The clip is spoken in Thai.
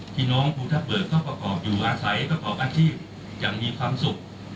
ที่น้องภูทะเบิกเข้าประกอบอยู่อาศัยประกอบอาชีพอย่างมีความสุข